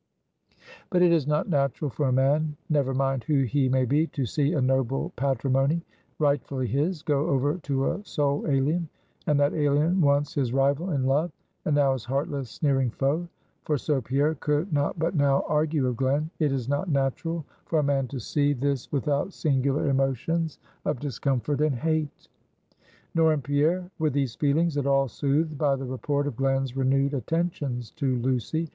But it is not natural for a man, never mind who he may be, to see a noble patrimony, rightfully his, go over to a soul alien, and that alien once his rival in love, and now his heartless, sneering foe; for so Pierre could not but now argue of Glen; it is not natural for a man to see this without singular emotions of discomfort and hate. Nor in Pierre were these feelings at all soothed by the report of Glen's renewed attentions to Lucy.